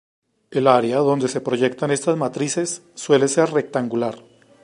El área donde se proyectan estas matrices suele ser rectangular.